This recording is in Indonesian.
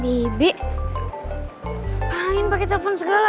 bibi panggilan pake telepon segala